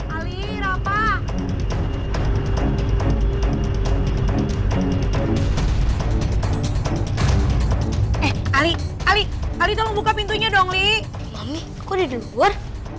ali rafa eh kali kali kali tolong buka pintunya dong li mami kau di luar